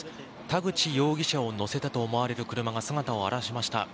田口容疑者を乗せたと思われる車が姿を現しました。